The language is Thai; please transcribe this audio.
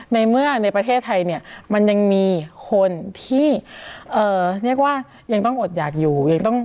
ในเมื่อในประเทศไทยเนี่ยมันยังมีคนที่เรียกว่ายังต้องอดอยากอยู่ยังต้อง